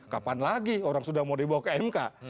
kapan lagi orang sudah mau dibawa ke mk